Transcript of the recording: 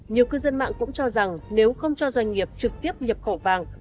nhiều cư dân mạng cũng cho rằng nếu không cho doanh nghiệp trực tiếp nhập khẩu vàng